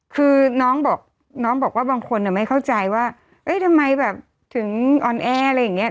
คือน้องบอกว่าบางคนไม่เข้าใจว่าทำไมถึงออนแอร์อะไรอย่างนี้